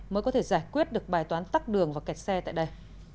mới có thể giải quyết được bài toán tắt đường và kẹt xe tại đây